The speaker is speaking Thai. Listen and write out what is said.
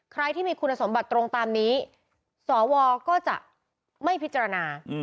ใครที่มีคุณสมบัติตรงตามนี้สวก็จะไม่พิจารณา